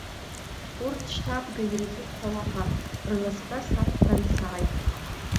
Урҭ шьҭа абга ирфет ҳәа уаҳап, рласба сақәԥан сааит!